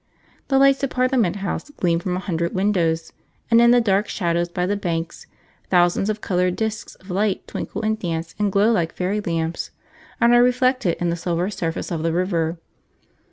The lights of Parliament House gleam from a hundred windows, and in the dark shadows by the banks thousands of coloured discs of light twinkle and dance and glow like fairy lamps, and are reflected in the silver surface of the river.